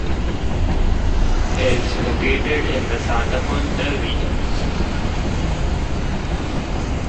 It is located in the Satakunta region.